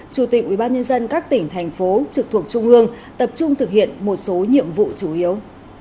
chủ tịch ubnd các tỉnh thành phố trực thuộc trung ương tập trung thực hiện một số nhiệm vụ chủ yếu